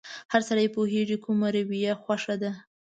هر سړی پوهېږي کومه رويه يې خوښه ده.